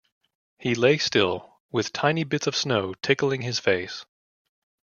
He lay still, with tiny bits of snow tickling his face.